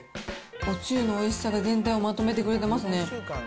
おつゆのおいしさが全体をまとめてくれてますね。